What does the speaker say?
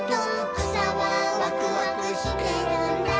「くさはワクワクしてるんだ」